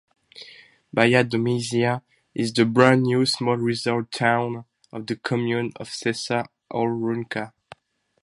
Baia Domizia is the brand-new small resort town of the comune of Sessa Aurunca.